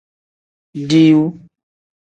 Diiwu.